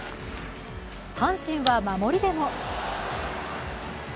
阪神は守りでも。